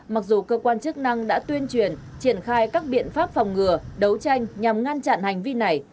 mặc dù cơ quan chức năng đã tuyên truyền triển khai các biện pháp phòng ngừa đấu tranh nhằm ngăn chặn hành vi này